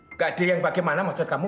nggak ada yang bagaimana maksud kamu